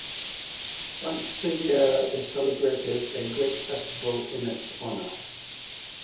Once a year they celebrated a great festival in its honor.